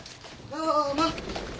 どうも。